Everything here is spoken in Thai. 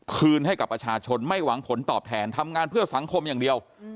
คืนให้กับประชาชนไม่หวังผลตอบแทนทำงานเพื่อสังคมอย่างเดียว